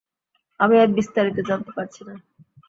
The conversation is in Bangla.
আমি আর বিস্তারিত জানতে পারছি না।